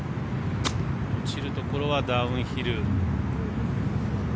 落ちるところはダウンヒル。